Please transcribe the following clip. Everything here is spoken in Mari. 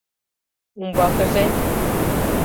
— Умбакыже...